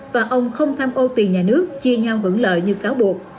và ông không tham ô tiền nhà nước chia nhau hưởng lợi như cáo buộc